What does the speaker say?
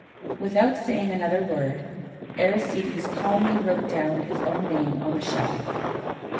Without saying another word, Aristides calmly wrote his own name on the shell.